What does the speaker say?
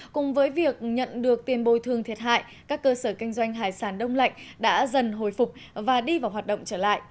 cùng với việc nhận được tiền bồi thương thiệt hại các cơ sở kinh doanh hải sản đông lạnh đã dần hồi phục và đi vào hoạt động trở lại